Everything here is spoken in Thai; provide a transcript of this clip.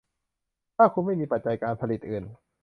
ถ้าคุณไม่มีปัจจัยการผลิตอื่น